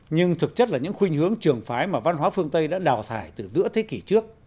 nhưng thực chất là những khuyên hướng trường phái mà văn hóa phương tây đã đào thải từ giữa thế kỷ trước